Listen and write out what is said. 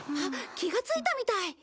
あっ気がついたみたい。